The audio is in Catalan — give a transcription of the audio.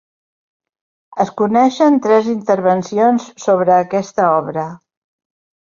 Es coneixen tres intervencions sobre aquesta obra.